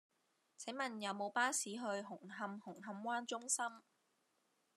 請問有無巴士去紅磡紅磡灣中心